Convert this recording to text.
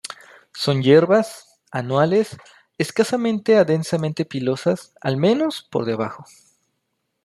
Son hierbas, anuales, escasamente a densamente pilosas, al menos, por debajo.